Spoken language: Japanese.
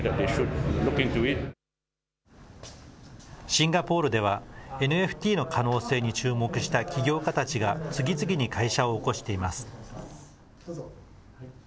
シンガポールでは、ＮＦＴの可能性に注目した起業家たちが、次々に会社を興しています。